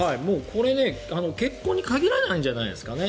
これ結婚に限らないんじゃないですかね。